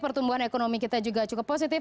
pertumbuhan ekonomi kita juga cukup positif